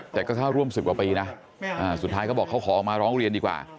แต่ก็เข้าร่วม๑๐กว่าปีนะสุดท้ายเขาบอกเขาขอออกมาร้องเรียนดีกว่า